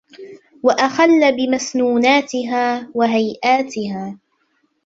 وَأَخَلَّ بِمَسْنُونَاتِهَا وَهَيْئَاتِهَا